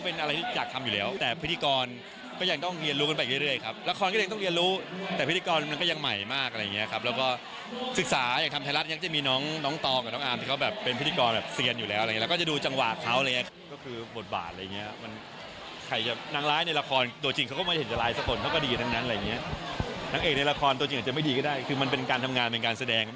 นักเอกในละครตัวจริงอาจจะไม่ดีก็ได้คือมันเป็นการทำงานเป็นการแสดง